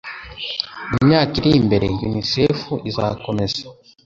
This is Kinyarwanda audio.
Mu myaka iri imbere UNICEFu izakomeza